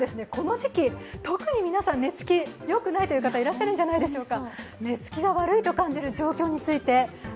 ところがこの時期、皆さん特に寝付きがよくないという方いらっしゃるんじゃないでしょうか。